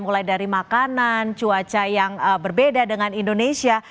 mulai dari makanan cuaca yang berbeda dengan indonesia